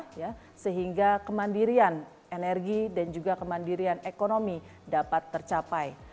kemudian bisa terus berdaya guna sehingga kemandirian energi dan juga kemandirian ekonomi dapat tercapai